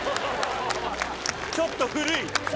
ちょっと古い。